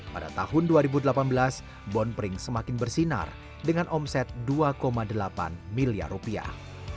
pada tahun dua ribu delapan belas bon pring semakin bersinar dengan omset dua delapan miliar rupiah